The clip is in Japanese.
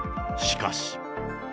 しかし。